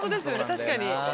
確かに。